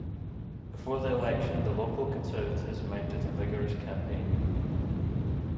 Before the election the local Conservatives mounted a vigorous campaign.